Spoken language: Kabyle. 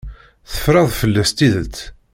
Teffreḍ fell-as tidet.